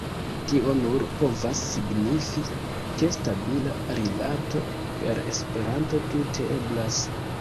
Tio nur povas signifi, ke stabila rilato per Esperanto tute eblas.